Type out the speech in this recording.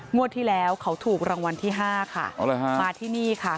ที่แล้วเขาถูกรางวัลที่ห้าค่ะมาที่นี่ค่ะ